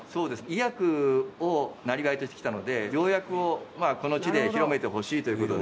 医薬を生業としてきたので良薬をこの地で広めてほしいという事で。